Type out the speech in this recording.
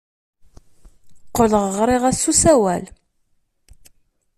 Qqleɣ ɣriɣ-as s usawal.